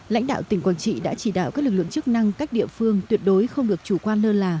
lãnh đạo tỉnh quảng trị đã chỉ đạo các lực lượng chức năng các địa phương tuyệt đối không được chủ quan lơ là